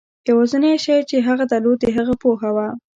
یوازېنی شی چې هغه درلود د هغه پوهه وه.